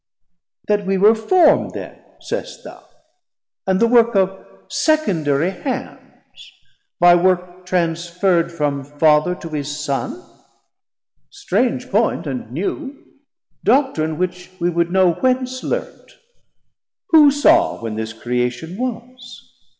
That we were formd then saist thou? & the work 850 Of secondarie hands, by task transferd From Father to his Son? strange point and new! Doctrin which we would know whence learnt: who saw When this creation was?